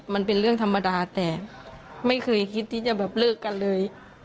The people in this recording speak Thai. มันเป็นเรื่องธรรมดาแต่ไม่เคยคิดที่จะแบบเลิกกันเลย